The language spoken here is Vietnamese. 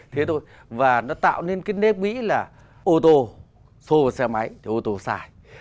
thế thôi và nó tạo nên cái nếp nghĩ là ô tô xô và xe máy thì ô tô sai